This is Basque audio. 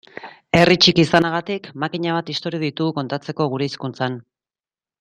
Herri txiki izanagatik makina bat istorio ditugu kontatzeko gure hizkuntzan.